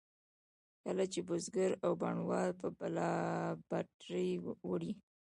کله چې بزګر او بڼوال به بلابترې وړې.